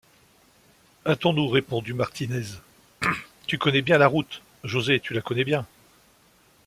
Hâtons-nous répondit Martinez. — Tu connais bien la route, José, tu la connais bien